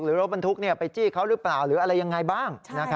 รถบรรทุกไปจี้เขาหรือเปล่าหรืออะไรยังไงบ้าง